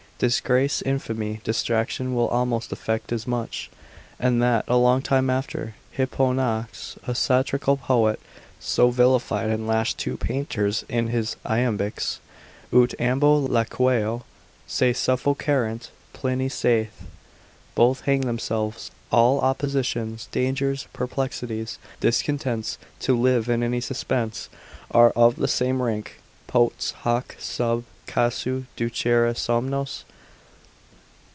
Disgrace, infamy, detraction, will almost effect as much, and that a long time after. Hipponax, a satirical poet, so vilified and lashed two painters in his iambics, ut ambo laqueo se suffocarent, Pliny saith, both hanged themselves. All oppositions, dangers, perplexities, discontents, to live in any suspense, are of the same rank: potes hoc sub casu ducere somnos?